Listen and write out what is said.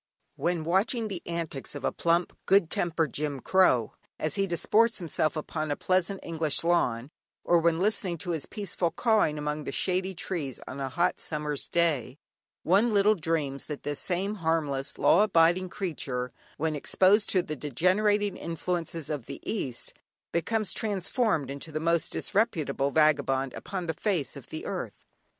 When watching the antics of a plump good tempered Jim Crow, as he disports himself upon a pleasant English lawn, or when listening to his peaceful "cawing" among the shady trees on a hot summer's day, one little dreams that this same harmless, law abiding creature, when exposed to the degenerating influences of the east, becomes transformed into the most disreputable vagabond upon the face of the earth.